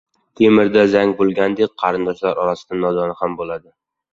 • Temirda zang bo‘lganidek qarindoshlar orasida nodoni ham bo‘ladi.